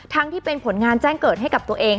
ที่เป็นผลงานแจ้งเกิดให้กับตัวเอง